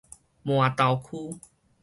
麻豆區